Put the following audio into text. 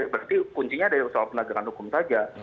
berarti kuncinya ada di soal penegakan hukum saja